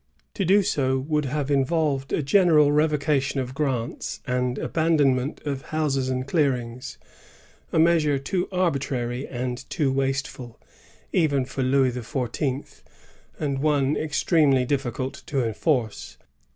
To do so would have involved a general revocation of grants and abandonment of houses and clearings, — a measure too arbitrary and too wasteful, even for Louis XIV., and one extremely diflScult to enforce.